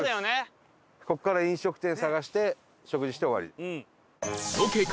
ここから飲食店探して食事して終わり。